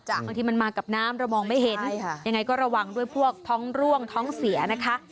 บางทีมันมากับน้ำเรามองไม่เห็นยังไงก็ระวังด้วยพวกท้องร่วงท้องเสียนะคะ